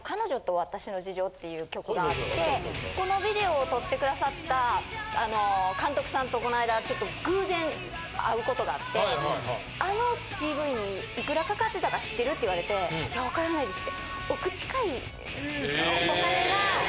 ていう曲があってこのビデオを撮ってくださった監督さんとこないだ偶然会うことがあって「あのＰＶにいくらかかってたか知ってる？」って言われて「いやわからないです」。・エーッ！